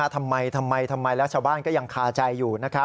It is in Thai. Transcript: ทำไมแล้วชาวบ้านก็ยังคาใจอยู่